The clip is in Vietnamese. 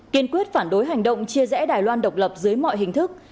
kiên quyết phản đối hành động chia rẽ đài loan độc lập dưới mọi hình thức